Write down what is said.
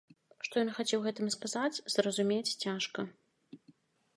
Што ён хацеў гэтым сказаць, зразумець цяжка.